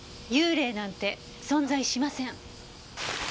幽霊なんて存在しません。